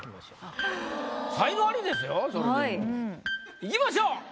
いきましょう。